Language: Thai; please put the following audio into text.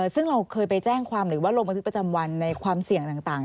ซึ่งเราเคยไปแจ้งความหรือว่าลงบันทึกประจำวันในความเสี่ยงต่าง